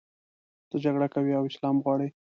ته جګړه کوې او اسلام غواړې.